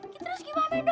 kita harus gimana dong bu